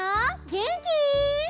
げんき？